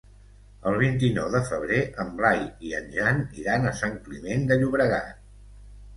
El vint-i-nou de febrer en Blai i en Jan iran a Sant Climent de Llobregat.